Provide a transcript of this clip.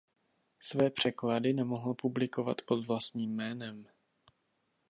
Své překlady nemohl publikovat pod vlastním jménem.